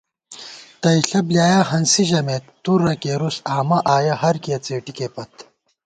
تئیݪہ بۡلیایَہ ہنسی ژَمېت، تُرہ کېرُس آمہ آیَہ ہرکِیہ څېٹِکےپت